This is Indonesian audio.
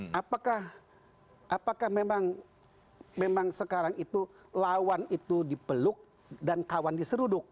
nah apakah memang sekarang itu lawan itu dipeluk dan kawan diseruduk